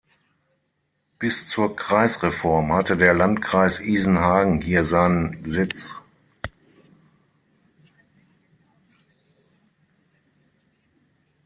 Bis zur Kreisreform hatte der Landkreis Isenhagen hier seinen Sitz.